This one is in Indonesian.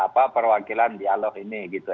apa perwakilan dialog ini gitu